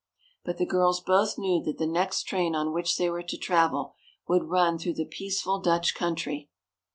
But the girls both knew that the next train on which they were to travel would run through the peaceful Dutch country.